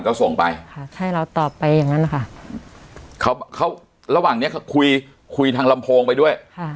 ก็ส่งไปให้เราตอบไปอย่างนั้นค่ะเขาระหว่างนี้คุยทางลำโพงไปด้วย